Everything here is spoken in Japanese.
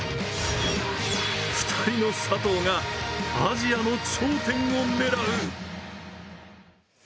２人の佐藤がアジアの頂点を狙う。